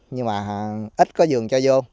nhưng mà ít có dường cho vô